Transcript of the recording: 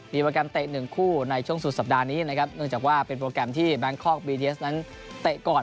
มีโปรแกรมเตะหนึ่งคู่ในช่วงสุดสัปดาห์นี้นะครับเนื่องจากว่าเป็นโปรแกรมที่แบงคอกบีทีเอสนั้นเตะก่อน